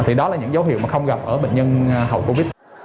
thì đó là những dấu hiệu mà không gặp ở bệnh nhân hậu covid